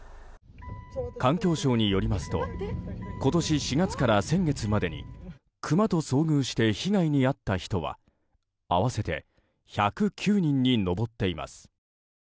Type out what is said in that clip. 環境省によりますと今年４月から先月までにクマと遭遇して被害に遭った人は合わせて１０９人に上っています。